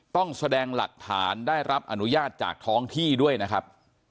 ต้องแสดงหลักฐานได้รับอนุญาตจากท้องที่ด้วยนะครับ